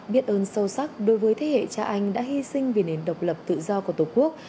biết ơn sâu sắc đối với thế hệ cha anh đã hy sinh vì nền độc lập tự do của tổ quốc